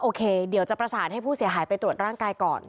เดี๋ยวจะประสานให้ผู้เสียหายไปตรวจร่างกายก่อน